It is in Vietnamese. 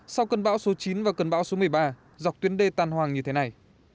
sau cơn bão số chín và cơn bão số một mươi ba dọc tuyến đê tan hoàng như thế này